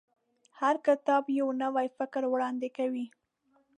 هر کتاب یو نوی فکر وړاندې کوي.